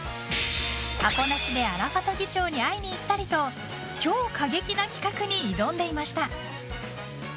アポなしで、アラファト議長に会いに行ったりと超過激な企画に挑んでいました。